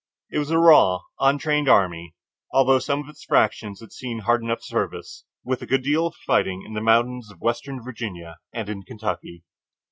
It was a raw, untrained army, although some of its fractions had seen hard enough service, with a good deal of fighting, in the mountains of Western Virginia, and in Kentucky.